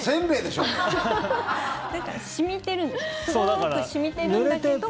すごく染みてるんだけど。